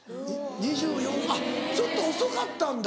２４あっちょっと遅かったんだ。